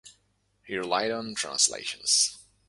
He relied on translations.